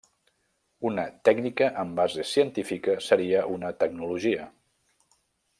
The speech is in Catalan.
Una tècnica amb base científica seria una tecnologia.